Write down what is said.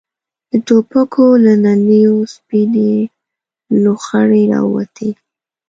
د ټوپکو له نليو سپينې لوخړې را ووتې.